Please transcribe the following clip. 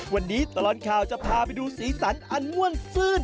วันนี้ตลอดข่าวจะพาไปดูสีสันอันม่วนซื่น